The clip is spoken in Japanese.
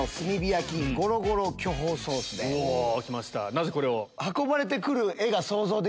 なぜこれを？